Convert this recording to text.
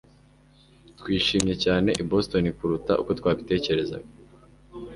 Twishimye cyane i Boston kuruta uko twabitekerezaga